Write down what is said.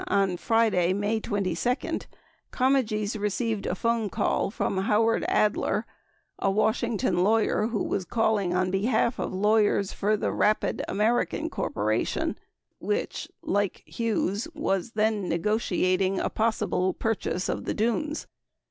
on Friday, May 22, Comegys received a phone call 20 from Howard Adler, a Washington lawyer who was calling on behalf of lawyers for the Rapid American Corp., which, like Hughes, was then negotiating a possible purchase of the Dunes.